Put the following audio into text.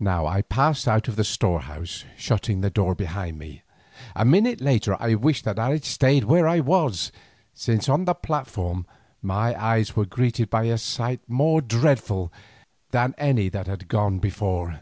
Now I passed out of the storehouse, shutting the door behind me. A minute later I wished that I had stayed where I was, since on the platform my eyes were greeted by a sight more dreadful than any that had gone before.